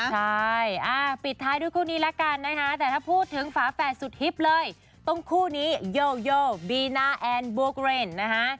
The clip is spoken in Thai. ใช่ปิดท้ายด้วยคู่นี้ละกันนะคะแต่ถ้าพูดถึงฝาแฝดสุดฮิตเลยต้องคู่นี้โยโยบีนาแอนบวกเรนนะฮะ